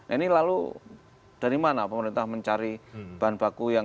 ini lalu dari mana pemerintah mencari bahan baku yang